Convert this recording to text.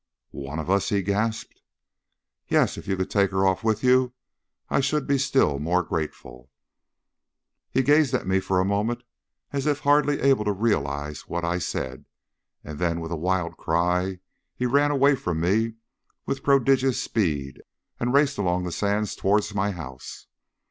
"One of us?" he gasped. "Yes if you could take her off with you I should be still more grateful." He gazed at me for a moment as if hardly able to realise what I said, and then with a wild cry he ran away from me with prodigious speed and raced along the sands towards my house.